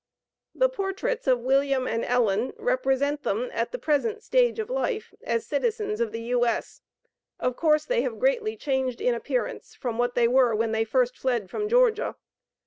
The portraits of William and Ellen represent them at the present stage of life, (as citizens of the U.S.) of course they have greatly changed in appearance from what they were when they first fled from Georgia.